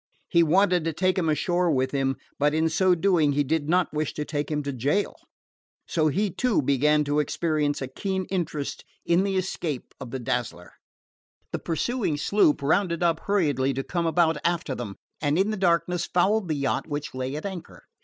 He wanted to take him ashore with him, but in so doing he did not wish to take him to jail. So he, too, began to experience a keen interest in the escape of the Dazzler. The pursuing sloop rounded up hurriedly to come about after them, and in the darkness fouled the yacht which lay at anchor.